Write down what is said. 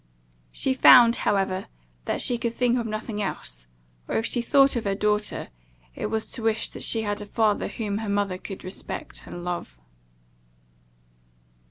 ] She found however that she could think of nothing else; or, if she thought of her daughter, it was to wish that she had a father whom her mother could respect and love.